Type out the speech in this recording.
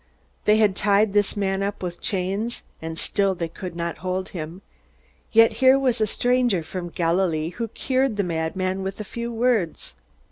They had tied this man up with chains, and still they could not hold him. Yet here was a stranger from Galilee who cured the madman with a few words.